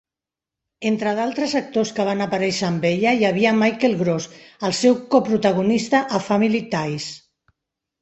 Entre d'altres actors que van aparèixer amb ella hi havia Michael Gross, el seu coprotagonista a "Family Ties".